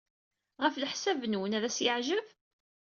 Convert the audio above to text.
Ɣef leḥsab-nwen, ad as-yeɛjeb?